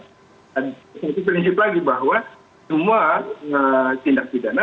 satu prinsip lagi bahwa semua tindak pidana